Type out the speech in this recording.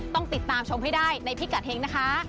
ต้องติดตามชมให้ได้ในพิกัดเฮงนะคะ